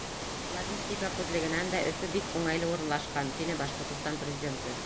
Логистика күҙлегенән дә Өфө бик уңайлы урынлашҡан, — тине Башҡортостан Президенты.